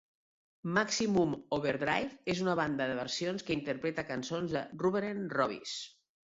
Maximum Overdrive és una banda de versions que interpreta cançons de Rubberen Robbies.